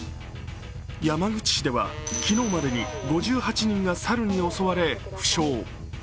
山口市では昨日までに５８人が猿に襲われ負傷。